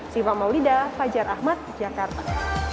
siva maulida fajar ahmad jakarta